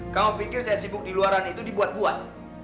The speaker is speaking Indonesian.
kamu pikir saya sibuk di luaran itu dibuat buat